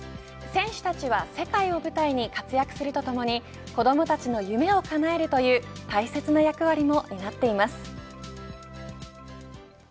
選手たちや世界を舞台に活躍するとともに子どもたちの夢をかなえるという大切な役割も担っています。